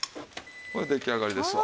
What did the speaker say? これ出来上がりですわ。